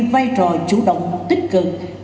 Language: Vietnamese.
vai trò chủ động tích cực